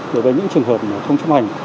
đối với những trường hợp không chấp hành